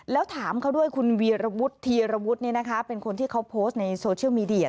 แล้วถามเขาด้วยคุณวีรวุฒิธีรวุฒิเป็นคนที่เขาโพสต์ในโซเชียลมีเดีย